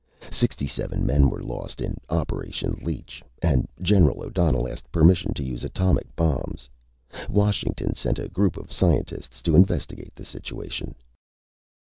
Sixty seven men were lost in Operation Leech, and General O'Donnell asked permission to use atomic bombs. Washington sent a group of scientists to investigate the situation.